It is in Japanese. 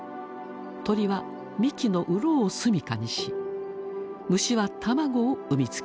鳥は幹のうろを住みかにし虫は卵を産み付ける。